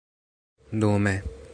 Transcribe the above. dume